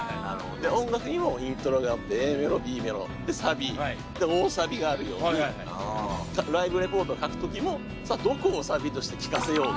音楽にもイントロがあってＡメロＢメロでサビ大サビがあるようにライブレポート書くときもどこをサビとして聞かせようかと。